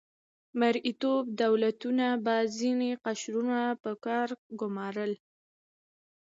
مرئیتوب دولتونو به ځینې قشرونه په کار ګمارل.